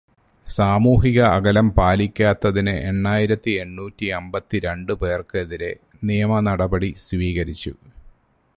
സാമൂഹിക അകലം പാലിക്കാത്തതിന് എണ്ണായിരത്തി എണ്ണൂറ്റി അമ്പത്തി രണ്ടു പേര്ക്കെതിരെ നിയമനടപടി സ്വീകരിച്ചു.